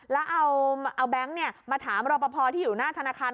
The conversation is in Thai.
แล้วเอาแบงค์มาถามรอปภที่อยู่หน้าธนาคาร